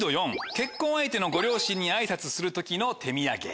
結婚相手のご両親に挨拶する時の手土産。